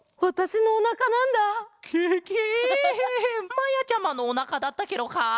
まやちゃまのおなかだったケロか？